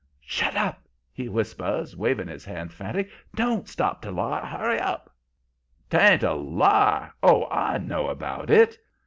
"'Shut up!' he whispers, waving his hands, frantic. 'Don't stop to lie. Hurry up!' "''Tain't a lie. Oh, I know about it!'